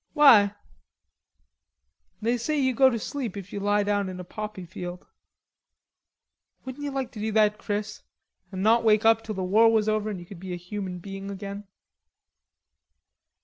"Why?" "They say you go to sleep if you lie down in a poppy field. Wouldn't you like to do that, Chris, an' not wake up till the war was over and you could be a human being again."